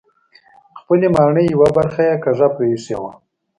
خپلې ماڼۍ یوه برخه یې کږه پرېښې وه.